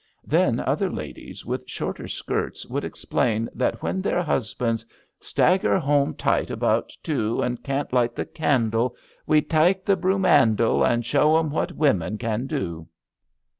Then other ladies with shorter skirts would explain that when their husbands Stagger home tight about two, An' can't light the candle, We talk the broom 'andle An' show 'em what women can do."